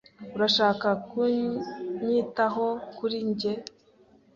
Urashaka kunyitaho kuri njye?